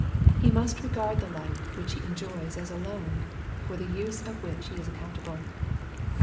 He must regard the light which he enjoys as a loan, for the use of which he is accountable.